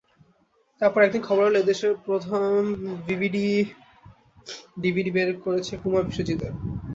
তারপর একদিন খবর এল, দেশের প্রথম ডিভিডি বের হয়েছে কুমার বিশ্বজিতের।